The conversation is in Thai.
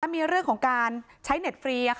มีเรื่องของการใช้เน็ตฟรี